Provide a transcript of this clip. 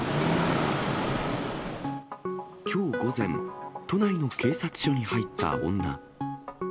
きょう午前、都内の警察署に入った女。